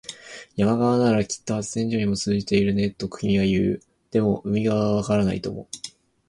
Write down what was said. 山側ならきっと発電所に通じているね、と君は言う。でも、海側はわからないとも。